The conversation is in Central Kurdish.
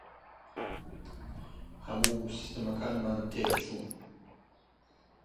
هەموو سیستەمەکانمان تێک چوون.